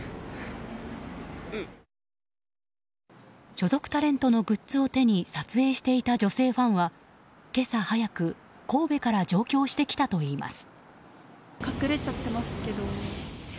所属タレントのグッズを手に撮影していた女性ファンは今朝早く神戸から上京してきたといいます。